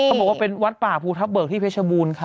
บอกว่าเป็นวัดป่าภูทับเบิกที่เพชรบูรณ์ค่ะ